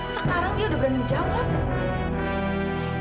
sekarang dia udah berani jawab